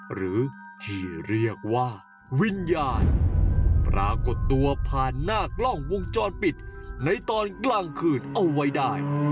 หรือที่เรียกว่าวิญญาณปรากฏตัวผ่านหน้ากล้องวงจรปิดในตอนกลางคืนเอาไว้ได้